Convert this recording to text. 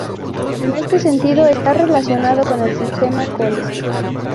En este sentido está relacionado con el sistema Colle.